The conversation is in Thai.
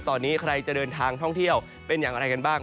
ตอนนี้ใครจะเดินทางท่องเที่ยวเป็นอย่างไรกันบ้าง